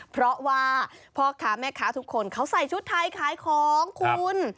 เพราะว่าพ่อค้าแม่ค้าทุกคนเขาใส่ชุดไทยขายของคุณ